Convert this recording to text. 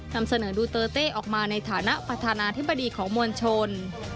นำเสนอดูเตอร์เต้ออกมาในฐานะประธานาธิบดีของมวลชน